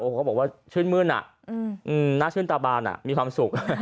โอ้เขาก็บอกว่าชื่นมื้อน่ะอืมน่าชื่นตาบาน่ะมีความสุข